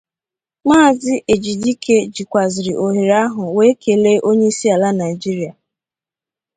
Maazị Ejidike jikwàzịrị òhèrè ahụ wee kelee onyeisiala Nigeria